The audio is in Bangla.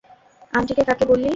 আন্টিকে কাকে বললি?